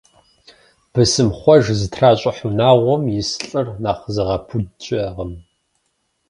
Бысымхъуэж зытращӏыхь унагъуэм ис лӏыр нэхъ зыгъэпуд щыӏэкъым.